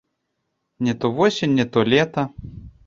Не то восень, не то лета.